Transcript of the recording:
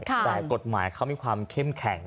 แต่กฎหมายเขามีความเข้มแข็ง